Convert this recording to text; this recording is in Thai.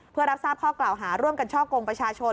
เพื่อรับทราบข้อกล่าวหาร่วมกันช่อกงประชาชน